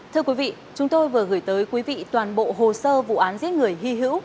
thưa quý vị chúng tôi vừa gửi tới quý vị toàn bộ hồ sơ vụ án giết người hy hữu